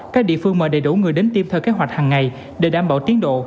các địa phương mời đầy đủ người đến tiêm theo kế hoạch hàng ngày để đảm bảo tiến độ